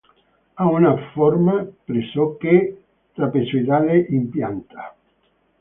Ha una forma pressoché trapezoidale in pianta.